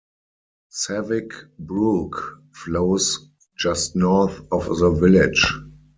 Savick Brook flows just north of the village.